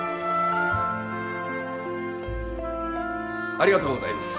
ありがとうございます。